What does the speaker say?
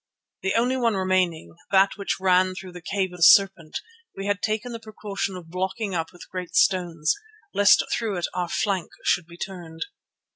The only one remaining, that which ran through the cave of the serpent, we had taken the precaution of blocking up with great stones, lest through it our flank should be turned.